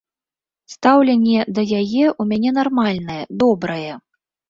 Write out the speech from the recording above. Стаўленне да яе ў мяне нармальнае, добрае.